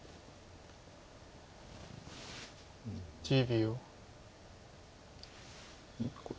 １０秒。